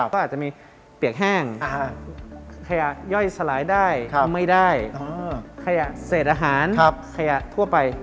ก็อาจจะมีเปียกแห้งขยะย่อยสลายได้ทำไม่ได้ขยะเศษอาหารขยะทั่วไป